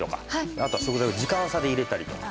あとは食材を時間差で入れたりとか。